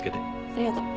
ありがとう。